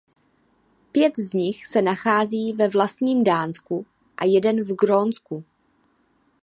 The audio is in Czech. Pět z nich se nachází ve vlastním Dánsku a jeden v Grónsku.